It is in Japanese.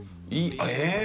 「えっ！